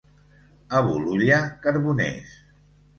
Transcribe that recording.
A Bolulla, carboners.